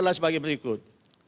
adalah sebagai berikut